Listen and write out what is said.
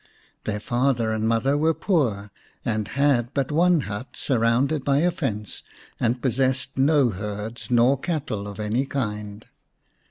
Their father and mother were poor, and had but one hut surrounded by a fence, and possessed no herds nor cattle of any kind.